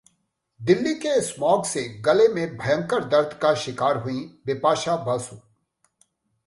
दिल्ली के स्मॉग से गले में भयंकर दर्द का शिकार हुईं बिपाशा बसु